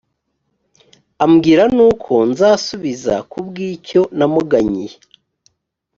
ambwira n uko nzasubiza ku bw icyo namuganyiye